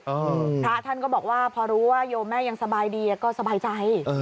พระท่านก็บอกว่าพอรู้ว่าโยมแม่ยังสบายดีก็สบายใจ